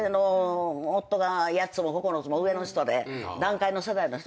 夫が八つも九つも上の人で団塊の世代の人ですから。